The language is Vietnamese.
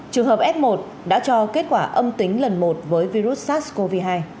trường hợp f một đã cho kết quả âm tính lần một với virus sars cov hai